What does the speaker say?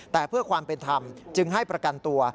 แต่เพื่อความเป็นธรรมจึงให้ประกันตัว